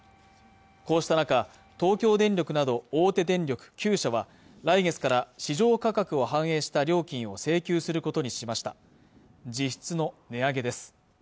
こうした中東京電力など大手電力９社は来月から市場価格を反映した料金を請求することにしました実質の値上げです